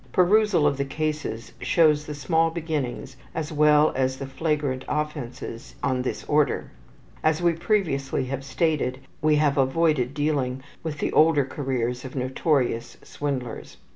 Perusal of the cases shows the small beginnings as well as the flagrant offenses on this order. As we previously have stated, we have avoided dealing with the older careers of notorious swindlers.